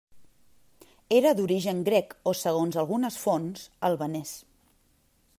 Era d'origen grec o segons algunes fonts albanès.